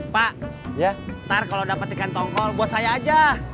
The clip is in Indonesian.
pak nanti kalau dapat ikan tongkol buat saya aja